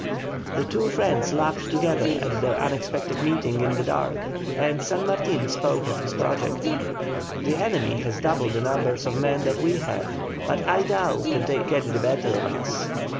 The two friends laughed together at their unexpected meeting in the dark, and San Martin spoke of his project. "The enemy has double the number of men that we have, but I doubt if they get the better of us."